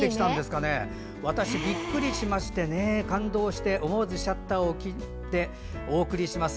私、びっくりしまして感動して思わずシャッターを切ってお送りします。